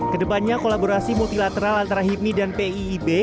kedepannya kolaborasi multilateral antara hipmi dan piib